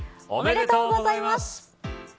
おめでとうございます。